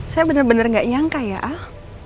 saya bener bener gak nyangka ya al